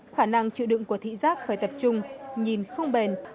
khả năng chịu đựng của thị giác phải tập trung nhìn không bền